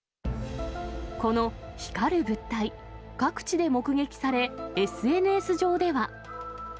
この光る物体、各地で目撃され、ＳＮＳ上では。